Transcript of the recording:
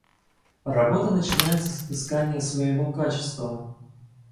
Работа начинается с отыскания своего качества.